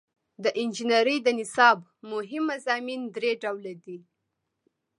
د انجنیری د نصاب مهم مضامین درې ډوله دي.